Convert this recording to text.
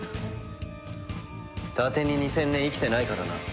だてに２０００年生きてないからな。